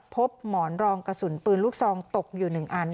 พบหมอนรองกระสุนปืนลูกซองตกอยู่๑อัน